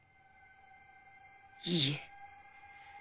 いいえ。